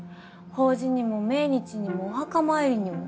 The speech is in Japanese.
法事にも命日にもお墓参りにも。